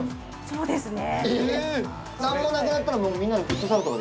◆そうですね。